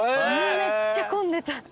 めっちゃ混んでた。